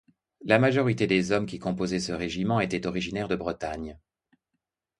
La majorité des hommes qui composaient ce régiment étaient originaires de Bretagne.